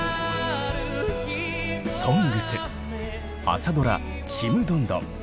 「ＳＯＮＧＳ」朝ドラ「ちむどんどん」